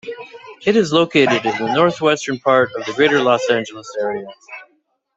It is located in the northwestern part of the Greater Los Angeles Area.